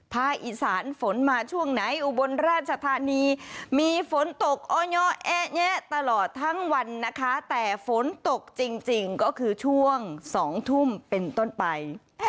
ภายศาลฝนมาช่วงไหนอุบลราชธานีมีฝนตกตลอดทั้งวันแต่ฝนตกจริงก็คือช่วงสองทุ่มเป็นต้นไป